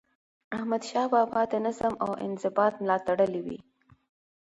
احمدشاه بابا د نظم او انضباط ملاتړی و.